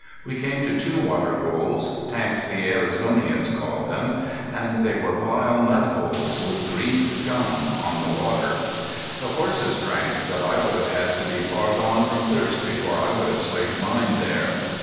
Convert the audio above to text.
We came to two water holes, tanks the Arizonians called them, and they were vile mud holes with green scum on the water. The horses drank, but I would have had to be far gone from thirst before I would have slaked mine there.